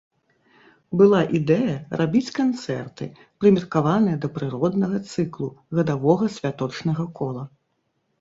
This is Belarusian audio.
Была ідэя рабіць канцэрты, прымеркаваныя да прыроднага цыклу, гадавога святочнага кола.